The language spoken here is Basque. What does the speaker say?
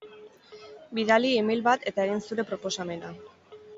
Bidali e-mail bat eta egin zure proposamena.